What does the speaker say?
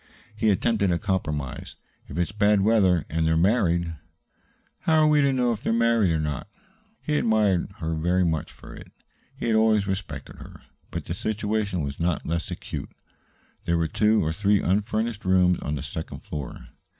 He attempted a compromise. "If it's bad weather, and they're married " "How are we to know if they are married or not?" He admired her very much for it. He had always respected her. But the situation was not less acute. There were two or three unfurnished rooms on the second floor.